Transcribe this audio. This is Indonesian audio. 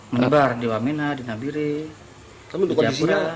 menebar di wamena di nabiri di jayapura